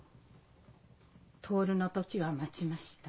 徹の時は待ちました。